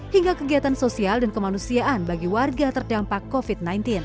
hingga kegiatan sosial dan kemanusiaan bagi warga terdampak covid sembilan belas